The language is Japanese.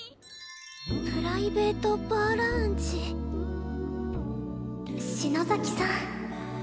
プライベートバーラウンジ篠崎さん。